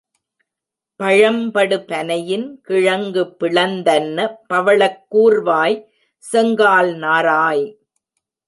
பழம்படு பனையின் கிழங்கு பிளந்தன்ன பவளக் கூர்வாய் செங்கால் நாராய்!